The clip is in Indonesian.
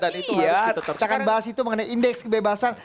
kita akan bahas itu mengenai indeks kebebasan